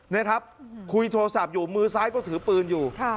นี่ครับคุยโทรศัพท์อยู่มือซ้ายก็ถือปืนอยู่